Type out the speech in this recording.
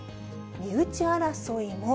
身内争いも？